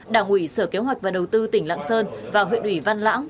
đảng ủy sở kế hoạch và đầu tư tỉnh lạng sơn và huyện ủy văn lãng